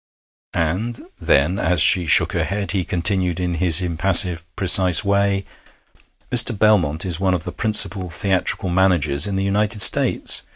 And then, as she shook her head, he continued in his impassive, precise way: 'Mr. Belmont is one of the principal theatrical managers in the United States.